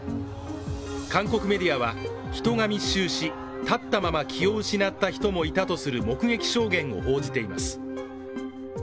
韓国メディアは、人が密集し、立ったまま気を失った人もいたとする目撃証言を報じています。